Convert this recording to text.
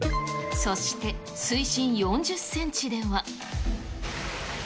そして水深４０センチでは。